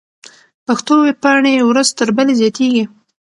پښتو ويبپاڼې ورځ تر بلې زياتېږي.